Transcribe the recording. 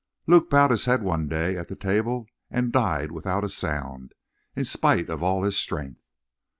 "Luke bowed his head one day at the table and died without a sound in spite of all his strength.